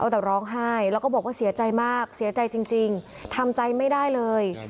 แต่ร้องไห้แล้วก็บอกว่าเสียใจมากเสียใจจริงทำใจไม่ได้เลย